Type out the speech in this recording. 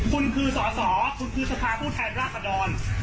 คุณคือสอสอคุณคือสภาพผู้แทนราชดร